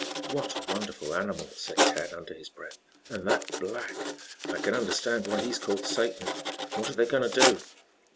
"What a wonderful animal!" said Tad under his breath. "And that black! I can understand why he is called Satan. What are they going to do?"